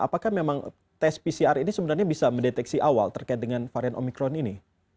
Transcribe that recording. apakah memang tes pcr ini sebenarnya bisa mendeteksi awal terkait dengan varian omikron ini